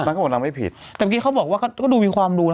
เขาบอกนางไม่ผิดแต่เมื่อกี้เขาบอกว่าเขาก็ดูมีความดูนะ